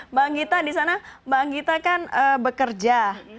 mbak anggita di sana mbak anggita kan bekerja